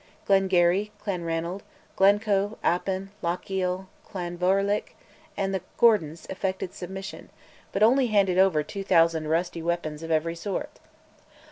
Glengarry, Clanranald, Glencoe, Appin, Lochiel, Clan Vourich, and the Gordons affected submission but only handed over two thousand rusty weapons of every sort.